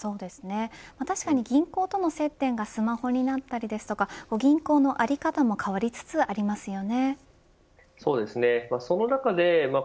確かに銀行との接点がスマホになったりですとか銀行の在り方も変わりつつありますよね。